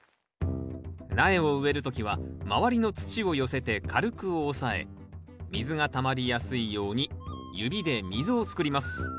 苗を植える時は周りの土を寄せて軽く押さえ水がたまりやすいように指で溝を作ります。